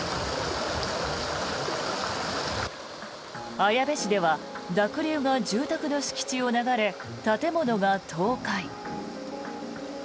綾部市では濁流が住宅の敷地を流れ建物が倒壊。